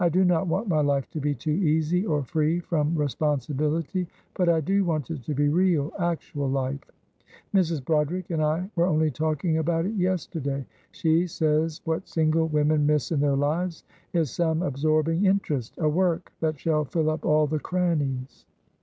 I do not want my life to be too easy or free from responsibility; but I do want it to be real, actual life. Mrs. Broderick and I were only talking about it yesterday. She says what single women miss in their lives is some absorbing interest; a work that shall fill up all the crannies."